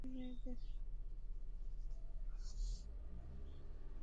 ঢাকা থেকে ফুটবল কোচিংয়ের ভিডিও নিয়ে গিয়ে শেখাতে শুরু করেন মেয়েদের।